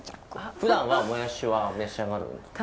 ふだんはもやしは召し上がるんですか？